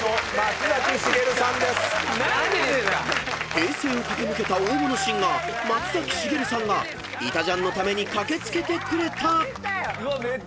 ［平成を駆け抜けた大物シンガー松崎しげるさんが『いたジャン』のために駆け付けてくれた！］